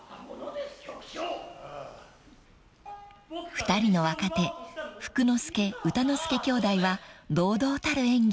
［２人の若手福之助歌之助兄弟は堂々たる演技］